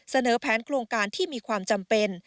เสนอแผนโครงการที่มีความจำเป็น